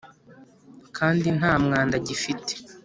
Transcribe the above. kandi nta mwanda gifite.